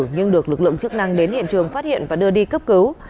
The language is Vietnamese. nhưng được lực lượng chức năng đến hiện trường phát hiện và đưa đi cấp cứu